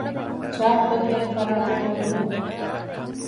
ޗާޕުކޮށްދޭނެ ފަރާތެއް ހޯދުމަށް